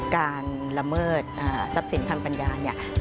การละเมิดทรัพย์สินทร์ท่านปัญญา